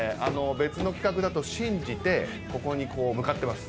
別の企画だと信じてここに向かってます。